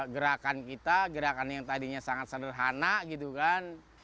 gerakan kita gerakan yang tadinya sangat sederhana gitu kan